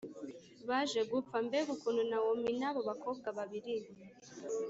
Baje gupfa mbega ukuntu nawomi n abo bakobwa babiri